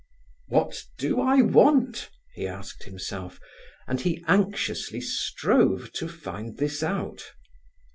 "What do I want?" he asked himself, and he anxiously strove to find this out.